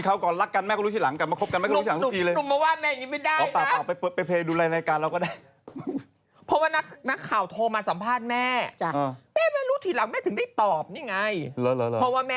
เขาก่อนรักกันแม่ก็รู้ทีหลังกลับมาคบกันแม่ก็รู้หลังสักทีเลย